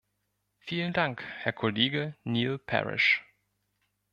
Vielen Dank, Herr Kollege Neil Parish.